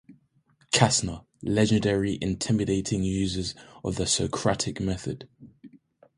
Casner, legendary intimidating users of the Socratic method.